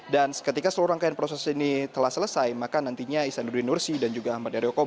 dan ketika seluruh rangkaian proses ini telah selesai maka nantinya ihsanuddin nursi dan juga ahmad daryoko